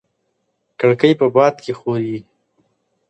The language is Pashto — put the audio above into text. کړکۍ په باد کې ښوري.